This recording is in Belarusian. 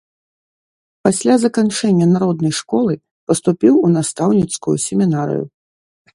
Пасля заканчэння народнай школы, паступіў у настаўніцкую семінарыю.